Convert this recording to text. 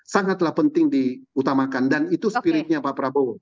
sangatlah penting diutamakan dan itu spiritnya pak prabowo